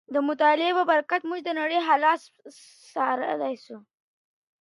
د مطالعې په برکت موږ د نړۍ حالات څارلی سو.